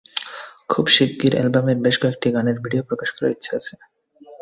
খুব শিগগির অ্যালবামের বেশ কয়েকটি গানের ভিডিও প্রকাশ করার ইচ্ছাও আছে।